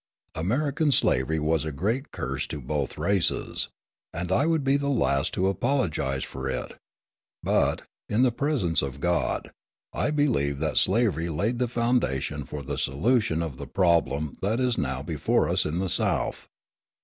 American slavery was a great curse to both races, and I would be the last to apologise for it; but, in the presence of God, I believe that slavery laid the foundation for the solution of the problem that is now before us in the South.